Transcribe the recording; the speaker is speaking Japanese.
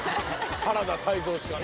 原田泰造しかね。